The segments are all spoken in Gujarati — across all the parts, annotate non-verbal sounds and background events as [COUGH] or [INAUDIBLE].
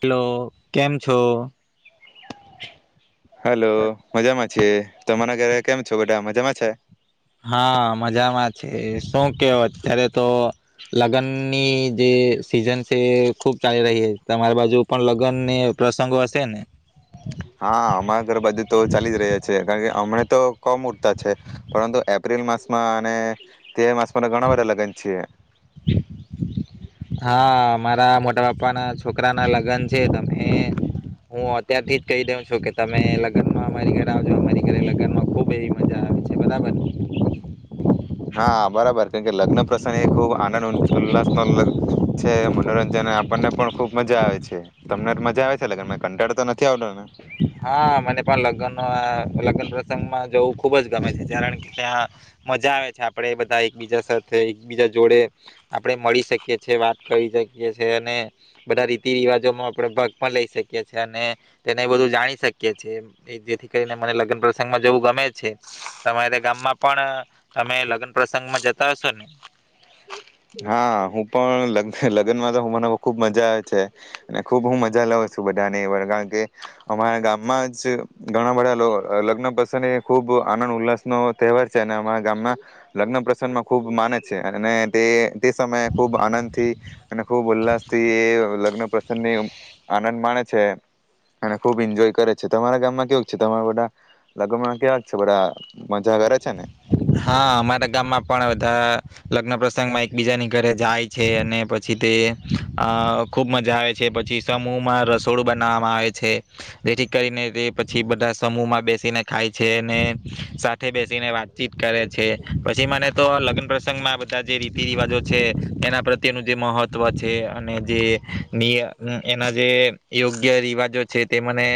હેલો કેમ છો? હલો મજામાં જે તમારા ઘરે કેમ છો બટા મજામાં છે. હા મજામાં છે શું કેવો અત્યારે તો લગ્નની જે સિઝન છે એ ખુબ ચાલી રહી તમારી બાજુ પણ લગ્નને પ્રસંગો હશે ને હા અમારા ઘરે બાજુ તો ચાલી જ રહ્યા છે કારણ કે હમણા તો કમ ઉરતા છે પરંતુ એપ્રિલ માસમાં અને તે માસ કોને ઘણાવરે લગ્ન છે. હા મારા મોટા બાપા ના છોકરા ના લગ્ન છે તમે હું અત્યારથી જ કહી દઉં છું કે તમે લગ્નમાં અમારી ઘર આવજો અમારી ઘરે લગ્નમાં ખુબ એવી મજા આવે છે બરાબર હા બરાબર કેમકે લગ્ન પ્રસંગ એ ખુબ આનંદ ઉલ્લાસ ન છે મનોરંજન આપણને પણ ખુબ મજા આવે છે તમને મજા આવે છે લગનં કંટાળ તો નથી આવતોને હા મને પણ લગ્ન લગ્ન પ્રસંગમાં જવું. ખૂબજ ગમે છે જરાણ કે્યાં મજા આવે છે આપડે એ બધા એકબીજા સાથે, એકબીજા જોડે, આપડે મળી શકીએ છે, વાત કરી શકીએ છે, અને બધા રીતિ રિવાજોમાં આપણે ભગ પણ લઈ શકીએ છે, અને તેને બધું જાણી શકીએ છે એમ, જેથી કરીને મને લગ્ન પ્રસંગમાં જવું ગમે છે. તમારે ગામમાં પણ તમે લગ્ન પ્રસંગમાં જતા હશો ને? હા હું પણ લગ લગ્નમાં તો હું મને ખુબ મજા આવે છે, અને ખુબ હું મજા લઉ છું બધાની [UNINTELLIGIBLE] કારણ કે અમારા ગામમાં જ ઘણા બધા લ લગ્ન પ્રસન એ ખુબ આનંદ ઉલ્લાસ નો તહેવાર છે, અને અમારા ગામમાં લગ્ન પ્રસંગમાં ખુબ માને છે. અને તે તે સમયે ખૂબ આનંદ થી અને ખૂબ ઉલ્લાસ થી એ લગ્ન પ્રસંગની આનંદ માણે છે, અને ખુબ ઈન્જોય કરે છે. તમારા ગામમાં કેવું છે? તમારા બધા લગ્નમાં કેવાક છે બધા મજા કરે છે ને? હા. અમારા ગામમાં પણ બધા લગ્ન પ્રસંગમાં એકબીજાની ઘરે જાય છે, અને પછી તે અહ ખુબ મજા આવે છે, પછી સમૂહમાં રસોડું બનાવવામાં આવે છે, જેથી કરીને તે પછી બધા સમૂહમાં બેસીને ખાય છે, અને સાથે બેસીને વાત ચીત કરે છે. પછી મને તો લગ્ન પ્રસંગમાં આ બધા જે રીતિ રિવાજો છે, એના પ્રત્યેનું જે મહત્વ છે, અને જે નિય એના જે યોગ્ય રિવાજો છે તે મને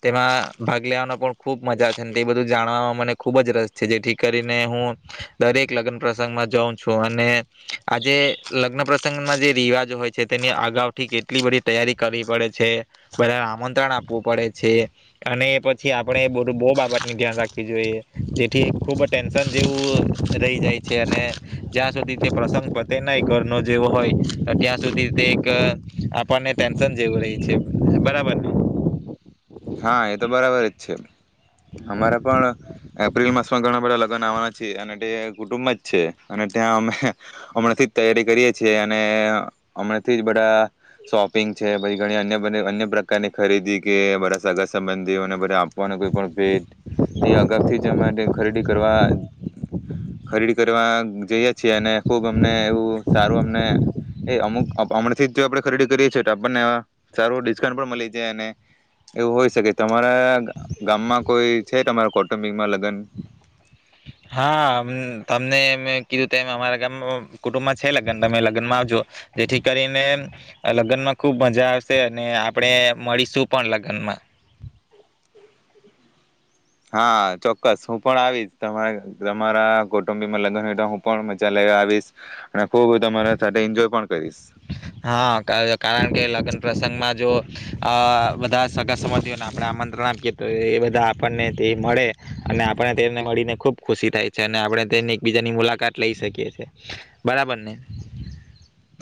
તેમાં ભાગ લેવાનો પણ ખુબ મજા છે, તે બધું જાણવાવામાં મને ખુબ જ રસ છે, જે ઠીક કરીને હું દરેક લગ્ન પ્રસંગમાં જઉં છું, અને આજે લગ્ન પ્રસંગમાં જે રિવાજો હોય છે, તેને અગાઉ થી કેટલી બધી તૈયારી કરવી પડે છે. બધાને આમંત્રણ આપવું પડે છે, અને એ પછી આપણેે બધું બહુ બાબતની ધ્યાન રાખવી જોઈએ. જેથી ખૂબ ટેન્શન જેવું રહી જાય છે, અને જ્યાં સુધી તે પ્રસંગ પતે નહીં ઘર નો જેવો હોય, તો ત્યાં સુધી તે એક આપણને ટેન્શન જેવું રહે છે. બરાબરને? હા એ તો બરાબર જ છે. અમારા પણ એપ્રિલ માસમાં ઘણા બધા લગ્ન આવવાના છે, અને તે કુટુંબ જ છે, અને ત્યાં અમે હમણાંથી જ તૈયારી કરીએ છીએ, અને હમણાંથી જ બધા શોપિંગ છે, પહી ઘણી અન્ય બ અન્ય પ્રકારની ખરીદી કે બધા સગા સંબંધીઓને બધા આપ વાનો કોઈ પણ ભેટ, એ અગાઉથી જ અમે ખરીદી કરવા ખરીદી કરવા જઈએ છીએ, અને ખુબ અમને એવું સારું અમને એ અમુક હમણેથી જ જો આપણે ખરીદી કરીએ છે, તો આપણને સારું ડિસ્કાઉન્ટ પણ મલી જાય અને એવું હોય શકે. તમારા ગામમાં કોઈ છે તમારા કૌટુંબિકમાં લગન? હા. તમને મેં કીધું તેમ અમારા ગામ કુટુંબમાં છે લગન, તમે લગનમાં આવજો. જેથી કરીને લગનમાં ખુબ મજા આવશે, અને આપડે મળીશું પણ લગનમાં. હા ચોક્કસ, હું પણ આવીશ તમાર તમારા કુટુંબી લગન હોય તો હું પણ મજા લેવા આવીશ, અને ખુબ તમારા સાથે એન્જોય પણ કરીશ. હા કા કારણ કે લગન પ્રસંગમાં જો અહ બધા સગા સંબંધીઓને આપણે આમંત્રણ આપીએ, તો એ બધા આપણને તે મળે, અને આપણે તેમને મળીને ખુબ ખુશી થાય છે, અને આપણે તેન એકબીજાની મુલાકાત લઈ શકીએ છે. બરાબર ને?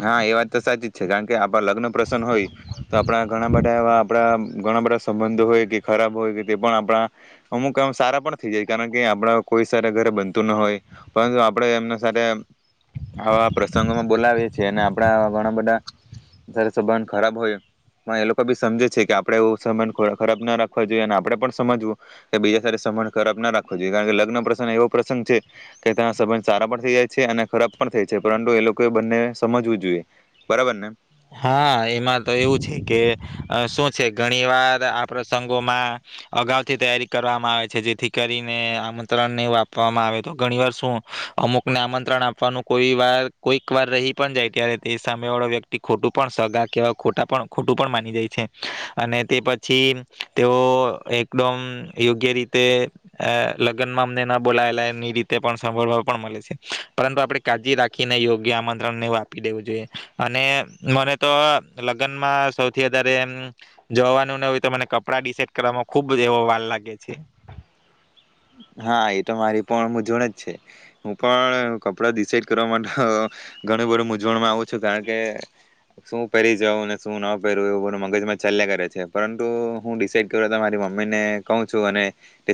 હા એ વાત તો સાચી જ છે, કારણ કે આપ ણા લગ્ન પ્રસંગ હોય, તો આપણા ઘણા બધા એવા આપણા ઘણા બધા સંબંધો હોય કે ખરાબ હોય કે તે પણ આપણા અમુક એમ સારા પણ થઈ જાય, કારણ કે આપણા કોઈ સરે ઘરે બનતું ન હોય, પરંતુ આપણે એમને સાથે આવા પ્રસંગોમાં બોલાવી આપ ઘણા બધા સારા સંબંધ ખરાબ હોય પણ એ લોકો બી સમજે છે કે આપડે એ સંબંધ ખરાબ ના રાખવા જોઈએ અને આપણેે પણ સમજવું કે બીજા સા સંબંધ ખરાબ ના રાખવો જોઈએ કારણ કે લગ્ન પ્રસંગ એવો પ્રસંગ છે કે ત્યાં સંબંધ સારા પણ થઈ જાય છે અને ખરાબ પણ થાય છે પરંતુ એ લોકો એ બંને સમજવું જોઈએ બરાબર ને હા એમાં તો એવું છે કે શું છે ઘણી વાર આ પ્રસંગોમાં અગાઉથી તૈયારી કરવામાં આવે છે જેથી કરીને આમંત્રણ નહીં આપવામાં આવે તો ઘણી વાર શું અમુકને આમંત્રણ આપવાનું કોઈ વાર કોઈક વાર રહી પણ જાય ત્યારે તે સામે વાળો વ્યક્તિ ખોટું પણ સગા કેવા ખોટા પણ ખોટું પણ માની જાય છે અને તે પછી તેઓ એકદમ યોગ્ય રીતે લગ્નમાં અમને ન બોલાયેલાની રીતે પણ સાંભળવા પણ મળે છે પરંતુ આપણે કાળજી રાખીને યોગ્ય આમંત્રણને આપી દેવું જોઈએ અને મને તો લગ્નમાં સૌથી વધારે એ જોવાનું ન હોય તો મને કપડા દેસાઇડે કરવામાં ખુબ જેવો વાર લાગે છે હા એ તો મારી પણ મૂઝવણ જ છે હું પણ કપડા ડિસાઇડ કરવા માટે ઘણું બધું મૂઝવણમાં આવું છું કારણ કે શું પહેરી જાઉં અને શું ન પહેરવું એવું બધું મગજમાં ચાલ્યા કરે છે પરંતુ હું દેસાઇડે કરું મારી મમ્મી ને કહું છું અને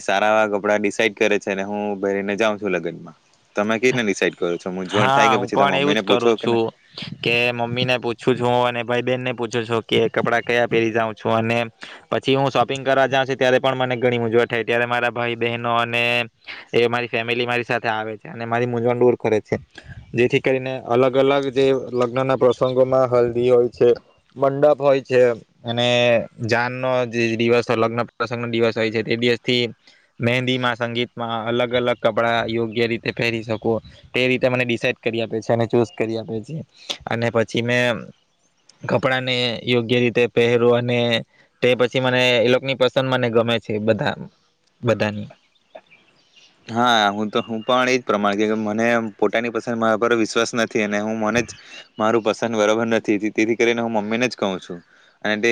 સારા એવા કપડા ડી કરે છે હું ભરીને જાં છું લગ્નમાં તમે કઈ રીતે દિસાઇડે કરો છો મૂંઝવણ થાય હા કે હું પછી તમે પણ એવું મમ્મીને જ પૂછો કરું કે ને છું કે મમ્મી ને પૂછું. પૂછું છું હું અને ભાઈ બેહેન ને પૂછું છું કે કપડા કયા પહેરી જાઉં છું અને પછી હું શોપિંગ કરવા જાઉં છું ત્યારે પણ મને ઘણી મૂજવણ થાય ત્યારે મારા ભાઈ બહેનો અને એ મારી ફેમિલી મારી સાથે આવે છે અને મારી મૂઝવણ દૂર કરે છે. જેથી કરીને અલગ અલગ જે લગ્ન ના પ્રસંગોમાં હલ્દી હોય છે મંડપ હોય છે અને જાન નો જે દિવસ લગ્ન પ્રસંગ ન દિવસ હોય છે તે દિવસ થી મહેંદીમાં સંગીતમાં અલગ અલગ કપડા યોગ્ય રીતે પહેરી શકુ તે રીતે મને ડિસાઈડ કરી આપે છે અને ચૂઝ કરી આપે છે અને પછી મેં કપડાને યોગ્ય રીતે પહેરુ અને તે પછી મને એ લોકોની પસંદ મને ગમે છે બધા બધાની. હા હું તો હું પણ એજ પ્રમાણ મને પોતાની પસંદ મા પર વિશ્વાસ નથી અને હું મને જ મારું પસંદ બરોબર નથી તેથી કરીને હું મમ્મીને જ કહું છું અને તે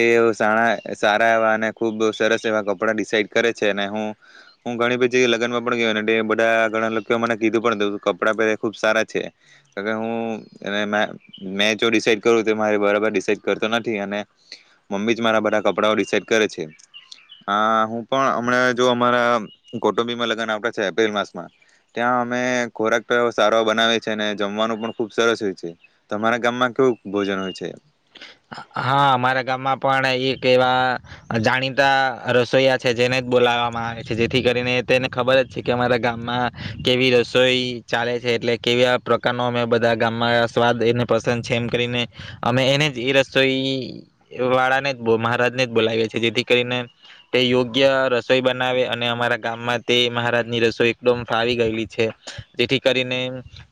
સારા એવા અને ખુબ સરસ એવા કપડા ડિસાઇડ કરે છે અને હું હું ઘણી બધી લગ્ન. [INAUDIBLE] તે બધા ઘણા લોકો કીધું કપડા પહેરે ખુબ સારા છે અગર હું મે કરતો નથી અને મમ્મી જ મારા બધા કપડા ડિસિડે કરે છે હું પણ હમણા જો અમારા કુટુંબીમાં લગન. એપ્રિલ માસમાં ત્યાં અમે ખોરાક સારો બનાવી છે અને જમવાનું પણ ખુબ સરસ હોય છે તમારા ગામમાં કેવું ભોજન હોય છે. હા અમારા ગામમાં પણ એક એવા જાણીતા રસોઈયા છે જેને જ બોલાવવામાં આવે છે જેથી કરીને તેને ખબર જ છે કે અમારા ગામમાં કેવી રસોઈ ચાલે છે એટલે કેવા પ્રકારનો અમે બધા ગામમાં સ્વાદ એને પસંદ છે એમ કરીને અમે એને જ. એ રસોઈ વાળા ને મહારાજ ને જ બોલાવે છે જેથી કરીને તે યોગ્ય રસોઈ બનાવે અને અમારા ગામમાં તે મહારાજ ની રસોઈ એકદમ ફાવી ગયેલી છે જેથી કરીને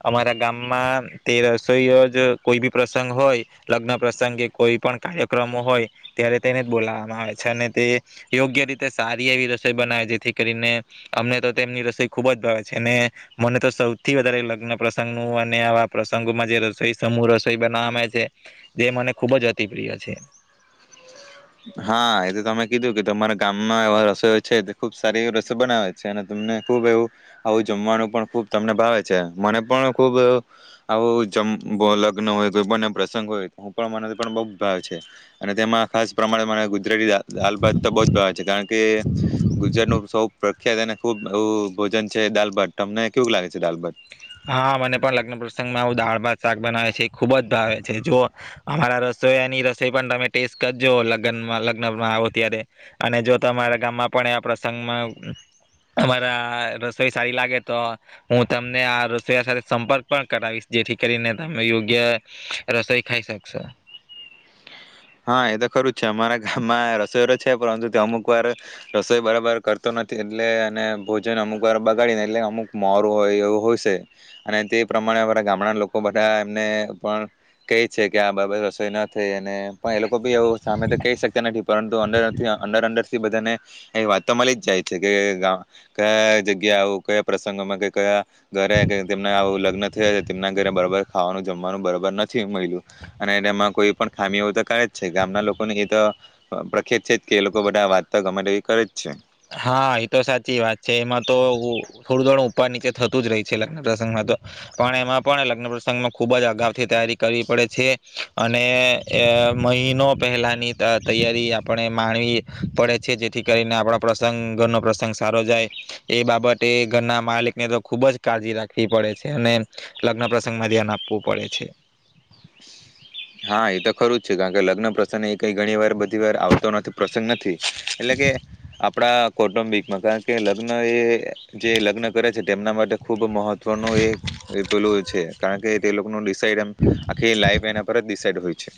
અમારા ગામમાં તે રસોઈ જ કોઈ બી પ્રસંગ હોય લગ્ન. પ્રસંગે કોઈ પણ કાર્યક્રમો હોય ત્યારે તેને જ બોલાવવામાં આવે છે અને તે યોગ્ય રીતે સારી એવી રસોઈ બનાવે છે જેથી કરીને અમને તો તેમની રસોઈ ખુબ જ ભાવ છે અને મને તો સૌથી વધારે લગ્ન પ્રસંગ ન અને આવા પ્રસંગોમાં જે રસોઈ સમૂહ રસોઈ બના આવે છે. જે મને ખૂબ જ અતિ પ્ર્રિય છે. હા એ તો તમે કીધું કે તમારા ગામમાં એવા રસો છે તે ખુબ સારી એવી રસો બનાવે છે અને તમને ખુબ એવું આવું જમવાનું પણ ખુબ તમને ભાવે છે મને પણ ખુબ આવું જ લગ્ન હોય બને પ્રસંગ હોય હું પણ મને પણ બહ જ ભાવે છે અને તેમાં ખાસ. પ્રમાણે મને ગળી દાળ ભાત તો બોજ ભાવે છે કારણ કે ગુજરાત ન સૌ પ્ર મને ખુબ ભોજન છે. દાલ ભાટ તમને કેવું લાગે છે દાલ ભાટ.? હા મને પણ લગ્ન પ્રસંગમાં આવું દાળ ભાત શાક બનાવે છે, એ ખુબ જ ભાવે છે. જો અમારા રસોયાની રસોઈ પણ તમે ટેસ્ટ કરજો, લગ્ન લગ્નમાં આવો ત્યારે, અને જો તમારા ગામમાં પણ એ પ્રસંગમાં, અમારા રસોઈ સારી લાગે તો, હું તમને આ. રસોયા સાથે સંપર્ક પણ કરાવીશ. જેથી કરીને તમે યોગ્ય રસોઈ ખાઈ શકશો. હા એ તો ખરું જ છે અમારા ગામમાં રસોયો તો છે પરંતુ તે અમુક વાર રસોઈ બરાબર કરતો નથી, એટલે અને ભોજન અમુક વાર બગાડીને એટલે અમુક મોરું હોય, એવું હોય છે અને તે પ્રમાણે અમારા ગામડા લોકો બધા એમને પણ કહે છે કે, આ બબર રસોઈ ના થઈ અને. પણ એ લોકો બી એવું સામે તો કહી શકતા નથી. પરંતુ અડર અંડર અંડર થી બધાને એ વાત તો મળી જ જાય છે. કે કયા જગ્યા આવું કયા પ્રસંગોમાં કે કયા.? ઘરે તેમને આવું લગ્ન થયા, તેમના ઘરે બરાબર ખાવાનું. જમવાનું બરાબર નથી મળિ્યું અને એમાં કોઈ પણ ખામી હો. કરે જ છે ગામના લોકોને એ તો પ્રખ્યાત છે. જ કે એ લોકો બધા વાતતો ગામમા એવી કરે જ છે. હા એતો સાચી વાત છે. એમાં તો થોડું થોડું ઉપર નીચે થતું જ રહી છ લગ્ન પ્રસંગમાં તો પણ એમાં પણ લગ્ન પ્રસંગમાં ખુબ જ અગાઉથી તૈયારી કરવી પડે છે. અને મહિનો પહેલાની તૈયારી આપણે માણવી પડે છે. જેથી કરીને આપણા. પ્રસંગ ઘરનો પ્રસંગ સારો જાય એ બાબતે ઘરના માલિકને તો ખૂબ જ કાળજી રાખવી પડે છે. અને લગ્ન પ્રસંગમાં ધ્યાન આપવું પડે છે. હા એ તો ખરું જ છે. કારણ કે લગ્ન પ્રસંગ એ કઈ ઘણી વાર, બધી વાર આવતો નથી. પ્રસંગ નથી એટલે કે આપણા. કૌટુંબિકમાં કારણ કે લગ્ન એ જે લગ્ન કરે છે. તેમના માટે ખુબ મહત્વનું એ પેલું છે, કારણ કે તે લોકો શઈરમ આખી લાઈફ એના. ઈ સાઇડ હો છે.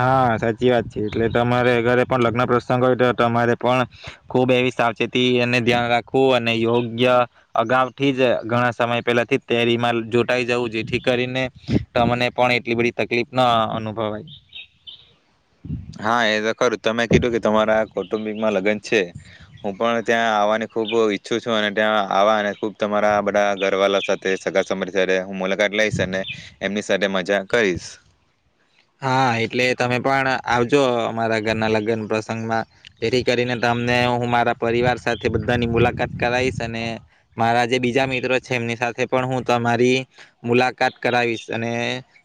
હા સાચી વાત છે. એટલે તમારે ઘરે પણ લગ્ન પ્રસંગ હોય તો, તમારે પણ ખુબ એવી સાવચેતીને ધ્યાન રાખવું અને યોગ્ય, અગાઉ થી જ ઘણા સમય પેલા થી તેરીમાં જોટાઈ જવું જેથી કરીને તમને પણ એટલી બધી તકલીફ ના અનુભવાય. હા એ તો ખંરુ તમે કીધું કે તમારા કૌટુંબિકમાં લગ્ન છે. હું પણ ત્યાં આવવાની ખુબ ઈચ્છું છું અને ત્યાં આવા અને ખુબ તમારા બધા ઘર વાલા સાથે સગાસંબંધી સાથે. હું મુલાકાત લઈશ. અને એમની. અને મજા કરીશ. હા! એટલે તમે પણ આવજો અમારા ઘરના લગ્ન પ્રસંગમાં, જેથી કરીને તમને હું મારા પરિવાર સાથે બધાની મુલાકાત કરાવીશ. અને મારા જે બીજા મિત્રો છે, એમની સાથે પણ હું તમારી મુલાકાત કરાવીશ. અને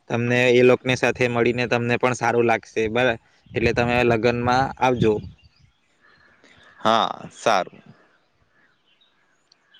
તમને એ લોકોની સાથે. તે મળીને તમને પણ સારું લાગશે. બરા એટલે તમે લગ્નમાં આવજો. હા સારું.